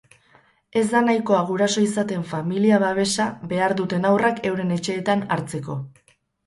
Ez da nahikoa guraso izaten familia-babesa behar duten haurrak euren etxeetan hartzeko.